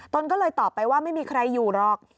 นก็เลยตอบไปว่าไม่มีใครอยู่หรอก